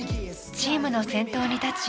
チームの先頭に立ち